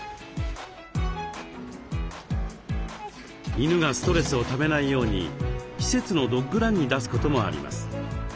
犬がストレスをためないように施設のドッグランに出すこともあります。